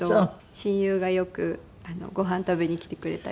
親友がよくご飯食べに来てくれたり。